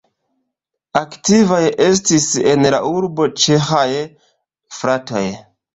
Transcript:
Aktivaj estis en la urbo ĉeĥaj fratoj.